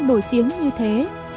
nổi tiếng như thế